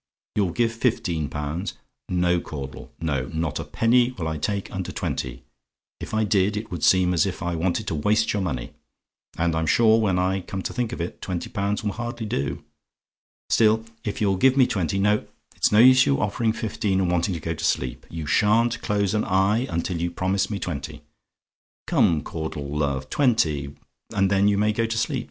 "YOU'LL GIVE FIFTEEN POUNDS? "No, Caudle, no not a penny will I take under twenty; if I did, it would seem as if I wanted to waste your money: and I'm sure, when I come to think of it, twenty pounds will hardly do. Still, if you'll give me twenty no, it's no use your offering fifteen, and wanting to go to sleep. You sha'n't close an eye until you promise me twenty. Come, Caudle, love! twenty, and then you may go to sleep.